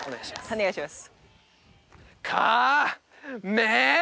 お願いします。